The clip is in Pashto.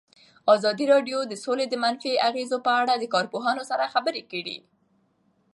ازادي راډیو د سوله د منفي اغېزو په اړه له کارپوهانو سره خبرې کړي.